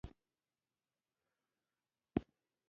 د طبیعي ملچ لپاره څه وکاروم؟